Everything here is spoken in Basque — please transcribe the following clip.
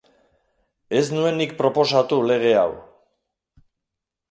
Ez nuen nik proposatu lege hau.